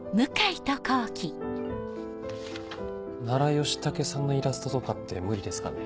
ナラヨシタケさんのイラストとかって無理ですかね？